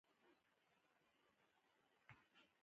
کتابچه د زده کوونکي حافظه ده